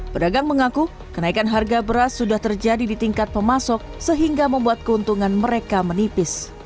pedagang mengaku kenaikan harga beras sudah terjadi di tingkat pemasok sehingga membuat keuntungan mereka menipis